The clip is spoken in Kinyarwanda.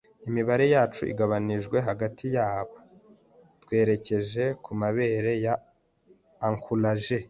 imibare yacu igabanijwe hagati yabo, twerekeje kumabere ya ankorage